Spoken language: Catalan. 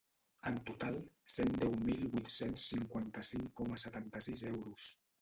En total, cent deu mil vuit-cents cinquanta-cinc coma setanta-sis euros.